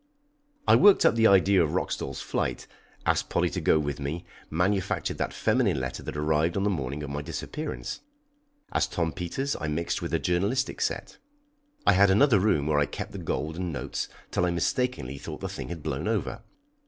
I worked up the idea of Roxdal's flight, asked Polly to go with me, manufactured that feminine letter that arrived on the morning of my disappearance. As Tom Peters I mixed with a journalistic set. I had another room where I kept the gold and notes till I mistakenly thought the thing had blown over.